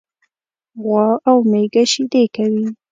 غوا او میږه شيدي کوي.